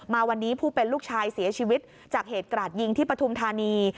มาวันนี้ผู้เป็นลูกชายเสียชีวิตจากเหตุกราดยิงที่ปฐุมธานี